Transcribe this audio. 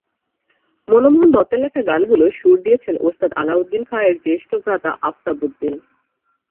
মনমোহন দত্তের লেখা গানগুলো সুর দিয়েছেন ওস্তাদ আলাউদ্দীন খাঁ এর জ্যেষ্ঠ ভ্রাতা আফতাব উদ্দিন।